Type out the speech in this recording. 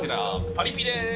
パリＰです。